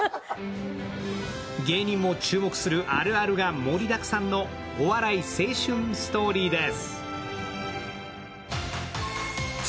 芸人も注目するあるあるが盛りだくさんのお笑い青春ストーリーです。